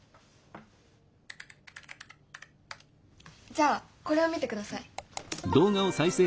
じゃあこれを見てください。